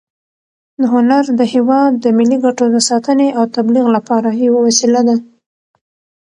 هنر د هېواد د ملي ګټو د ساتنې او تبلیغ لپاره یوه وسیله ده.